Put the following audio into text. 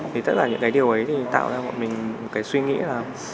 thì tất cả những cái điều ấy thì tạo ra bọn mình một cái suy nghĩ là